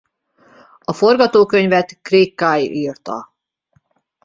A forgatókönyvet Craig Kyle írta.